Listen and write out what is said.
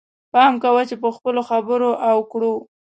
پام کوه چې په خپلو خبرو او کړو.